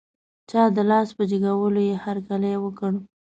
چا د لاس په جګولو یې هر کلی وکړ.